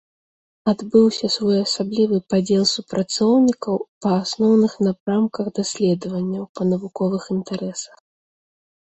Адбыўся своеасаблівы падзел супрацоўнікаў па асноўных напрамках даследаванняў, па навуковых інтарэсах.